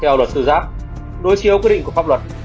theo luật sư giáp đối chiếu quy định của pháp luật